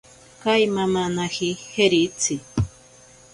Kaimamanaji jeritzi.